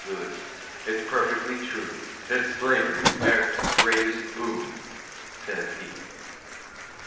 Lewis, "It perfectly true is Thet slavery's airth's grettest boon," sez he.